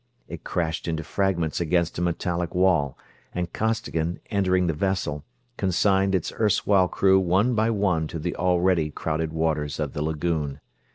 It crashed into fragments against a metallic wall and Costigan, entering the vessel, consigned its erstwhile crew one by one to the already crowded waters of the lagoon.